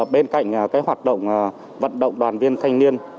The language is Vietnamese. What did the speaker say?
bên cạnh hoạt động vận động đoàn viên thanh niên